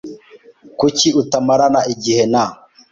Kuki utamarana igihe na ?